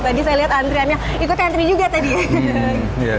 tadi saya lihat antriannya ikut antri juga tadi ya